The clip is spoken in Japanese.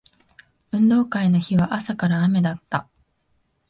運動会の日は朝から雨だった